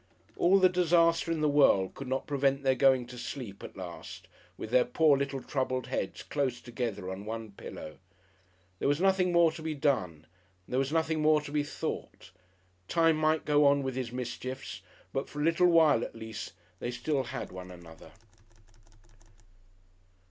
All the disaster in the world could not prevent their going to sleep at last with their poor little troubled heads close together on one pillow. There was nothing more to be done, there was nothing more to be thought; Time might go on with his mischiefs, but for a little while at least they still had one another.